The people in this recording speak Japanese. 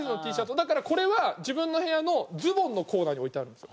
だからこれは自分の部屋のズボンのコーナーに置いてあるんですよ。